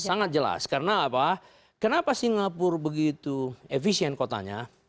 sangat jelas karena apa kenapa singapura begitu efisien kotanya